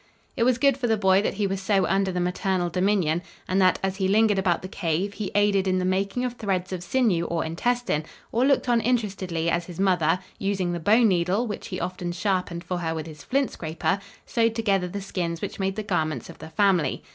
It was good for the boy that he was so under the maternal dominion, and that, as he lingered about the cave, he aided in the making of threads of sinew or intestine, or looked on interestedly as his mother, using the bone needle, which he often sharpened for her with his flint scraper, sewed together the skins which made the garments of the family.